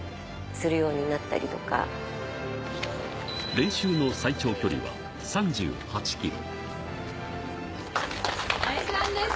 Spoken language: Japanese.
練習の最長距離は３８キロ。